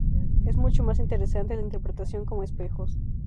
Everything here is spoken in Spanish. Es mucho más interesante la interpretación como espejos.